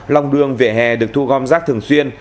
lòng đường vỉa hè được thu gom rác thường xuyên